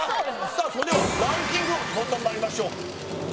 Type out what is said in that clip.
さぁそれではランキングどんどんまいりましょう。